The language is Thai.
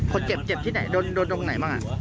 คนเจ็บที่ไหนโดนร้องไหนบ้างอ่ะ